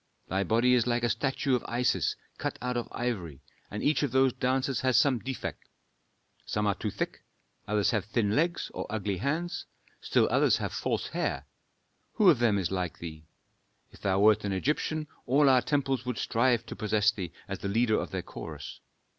Thy body is like a statue of Isis, cut out of ivory, and each of those dancers has some defect. Some are too thick; others have thin legs or ugly hands; still others have false hair. Who of them is like thee? If thou wert an Egyptian, all our temples would strive to possess thee as the leader of their chorus.